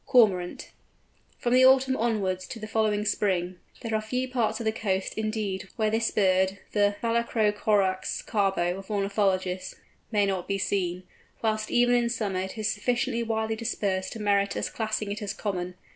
CORMORANT. From the autumn onwards to the following spring, there are few parts of the coast, indeed, where this bird, the Phalacrocorax carbo of ornithologists, may not be seen; whilst even in summer it is sufficiently widely dispersed to merit us classing it as common.